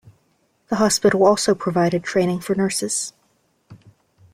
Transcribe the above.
The hospital also provided training for nurses.